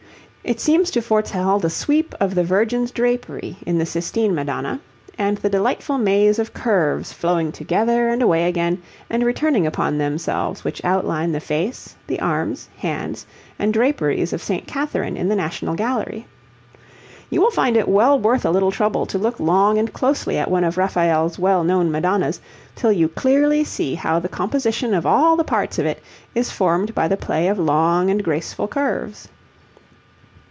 It seems to foretell the sweep of the Virgin's drapery in the Sistine Madonna, and the delightful maze of curves flowing together and away again and returning upon themselves which outline the face, the arms, hands, and draperies of St. Catherine in the National Gallery. You will find it well worth a little trouble to look long and closely at one of Raphael's well known Madonnas till you clearly see how the composition of all the parts of it is formed by the play of long and graceful curves.